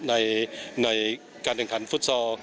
ในการแข่งขันฟุตซอล